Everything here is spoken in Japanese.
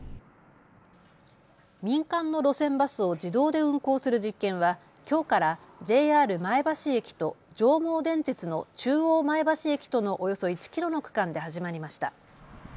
民間の路線バスを自動で運行する実験はきょうからＪＲ前橋駅と上毛電鉄の中央前橋駅とのおよそ１キロの区間で始まりました。